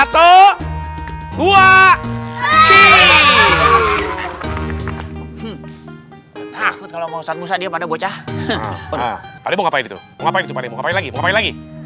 takut kalau ustadz musa dia pada bocah pade mau ngapain itu mau ngapain lagi